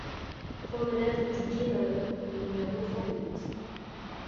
Promenade du Gué Maheu au numéro trente-huit